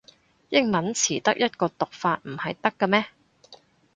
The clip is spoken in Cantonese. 英文詞得一個讀法唔係得咖咩